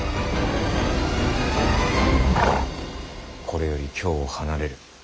これより京を離れる。